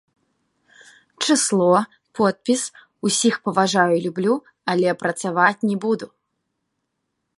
Чысло, подпіс, усіх паважаю і люблю, але працаваць не буду.